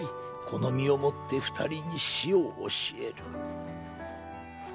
この身をもって二人に死を教える」。